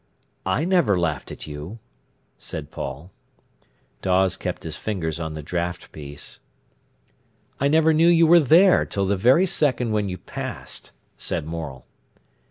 "I never laughed at you," said Paul. Dawes kept his fingers on the draught piece. "I never knew you were there till the very second when you passed," said Morel.